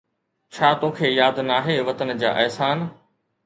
ڇا توکي ياد ناهي وطن جا احسان؟